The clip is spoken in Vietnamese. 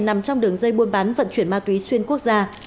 nằm trong đường dây buôn bán vận chuyển ma túy xuyên quốc gia